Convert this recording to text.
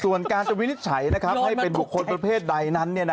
ส่วนการจะวินิจฉัยให้เป็นบุคคลประเภทใดนั้น